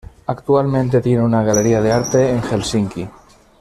Actualmente tiene una galería de arte en Helsinki.